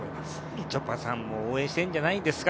みちょぱさんも応援してるんじゃないですか？